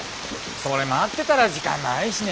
それ待ってたら時間ないしね。